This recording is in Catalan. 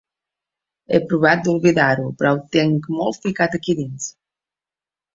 He provat d’oblidar-ho, però ho tinc molt ficat aquí dins.